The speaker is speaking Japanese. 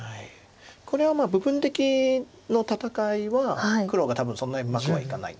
これは部分的の戦いは黒が多分そんなにうまくはいかない。